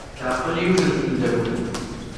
Teɛqel yiwet n tmeddakelt.